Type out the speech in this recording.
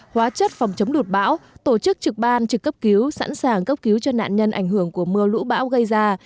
hóa chất phòng chống lụt bão tổ chức trực ban trực cấp cứu sẵn sàng cấp cứu cho nạn nhân ảnh hưởng của mưa lũ bão gây ra